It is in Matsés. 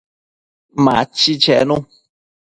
Machi chenu